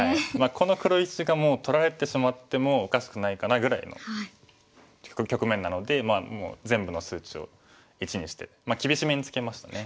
この黒石がもう取られてしまってもおかしくないかなぐらいの局面なのでもう全部の数値を１にして厳しめにつけましたね。